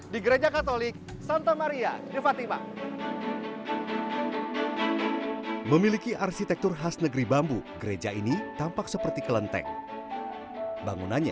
dulu ini ruangannya memang